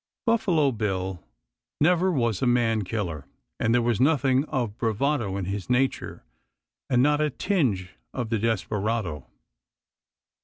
Buffalo Bill never was a man killer, and there was nothing of bravado in his nature and not a tinge of the desperado.